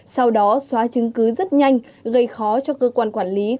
sau đó xóa chứng cứ rất nhanh gây khó cho cơ quan quản lý